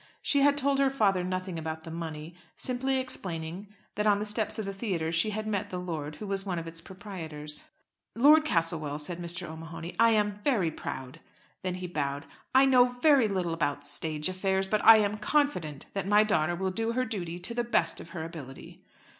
She had told her father nothing about the money, simply explaining that on the steps of the theatre she had met the lord, who was one of its proprietors. "Lord Castlewell," said Mr. O'Mahony, "I am very proud," then he bowed. "I know very little about stage affairs, but I am confident that my daughter will do her duty to the best of her ability."